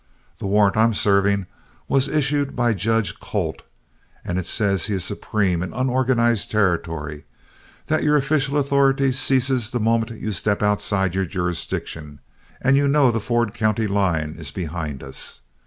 The warrant I'm serving was issued by Judge Colt, and it says he is supreme in unorganized territory; that your official authority ceases the moment you step outside your jurisdiction, and you know the Ford County line is behind us.